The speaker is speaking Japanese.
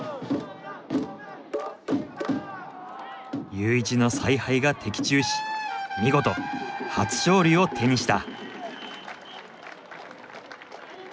ユーイチの采配が的中し見事初勝利を手にした！